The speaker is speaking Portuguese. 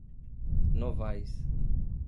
Novais